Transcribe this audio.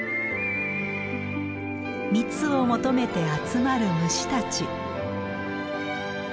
蜜を求めて集まる虫たち。